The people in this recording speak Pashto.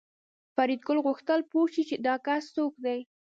فریدګل غوښتل پوه شي چې دا کس څوک دی